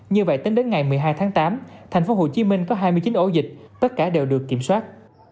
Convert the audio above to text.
như vậy tính đến ngày một mươi hai tháng tám thành phố hồ chí minh có hai mươi chín ổ dịch tất cả đều được kiểm soát